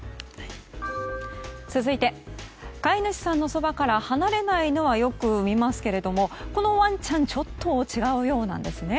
続いて、飼い主さんのそばから離れないのはよく見ますけれどこのワンちゃんはちょっと違うようなんですね。